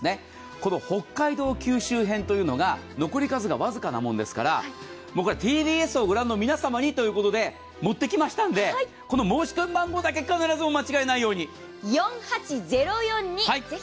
この北海道、九州編というのは、残り数が僅かなものですからＴＢＳを御覧の皆様にということで持ってきましたんで申し込み番号だけ必ずお間違えないように。